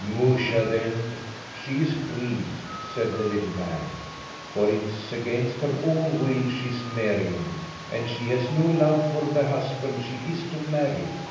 "Musha, then, she is grieved," said the little man; "for it's against her own will she's marrying, and she has no love for the husband she is to marry.